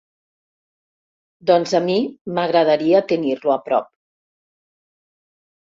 Doncs a mi m'agradaria tenir-lo a prop.